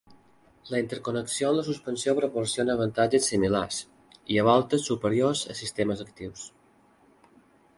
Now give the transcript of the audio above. La interconnexió en la suspensió proporciona avantatges similars, i a voltes superiors a sistemes actius.